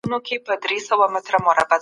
د منځنۍ لارې خلګ په دې بحثونو کي ځای نه لري.